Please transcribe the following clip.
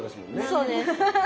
そうです。